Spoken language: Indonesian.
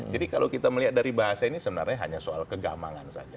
jadi kalau kita melihat dari bahasa ini sebenarnya hanya soal kegamangan saja